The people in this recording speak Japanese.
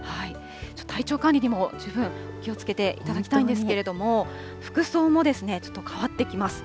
体調管理にも十分気をつけていただきたいんですけれども、服装もちょっと変わってきます。